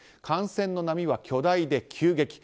感染の波は巨大で急激。